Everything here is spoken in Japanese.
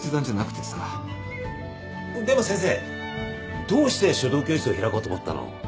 でも先生どうして書道教室を開こうと思ったの？